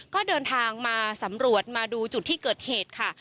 ก็เดินทางมาสำรวจมาดูจุดที่เกิดเหตุค่ะ